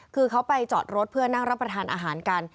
คือเขาไปจอดรถเพื่อนั่งรับประทานอาหารกัน